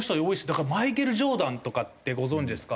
だからマイケル・ジョーダンとかってご存じですか？